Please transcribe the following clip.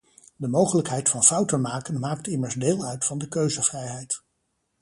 De mogelijkheid van fouten maken maakt immers deel uit van de keuzevrijheid.